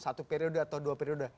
satu periode atau dua periode